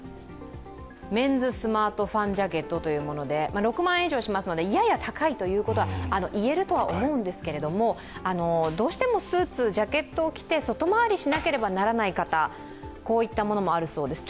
メンズスマートファンジャケットということで、６万円以上しますのでやや高いとは言えると思うんですがどうしてもスーツ、ジャケットを着て外回りをしなければならない方、こういったものもあるそうです。